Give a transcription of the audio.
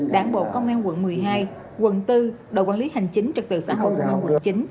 đảng bộ công an quận một mươi hai quận bốn đội quản lý hành chính trật tự xã hội quận chín